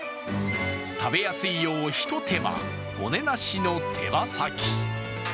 食べやすいようひと手間、骨なしの手羽先。